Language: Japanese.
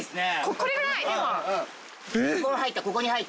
これぐらいでも。